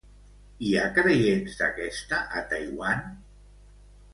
Hi ha creients d'aquesta a Taiwan?